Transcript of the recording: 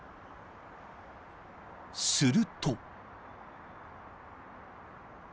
［すると］